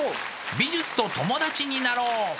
美術と友達になろう！